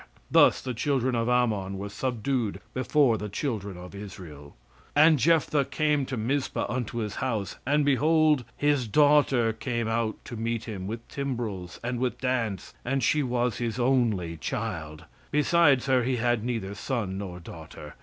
Thus the children of Ammon were subdued before the children of Israel. "And Jephthah came to Mizpeh unto his house, and, behold, his daughter came out to meet him with timbrels and with dances; and she was his only child: besides her he had neither son nor daughter.